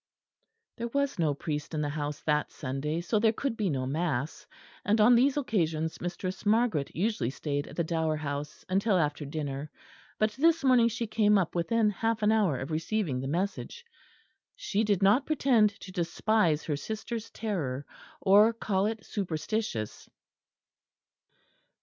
There was no priest in the house that Sunday, so there could be no mass; and on these occasions Mistress Margaret usually stayed at the Dower House until after dinner; but this morning she came up within half an hour of receiving the message. She did not pretend to despise her sister's terror, or call it superstitious.